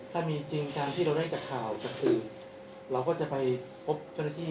ถ้ามีจริงตามที่เราได้จากข่าวจากสื่อเราก็จะไปพบเจ้าหน้าที่